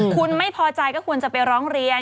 คุณไม่พอใจก็ควรจะไปร้องเรียน